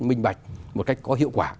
mình bạch một cách có hiệu quả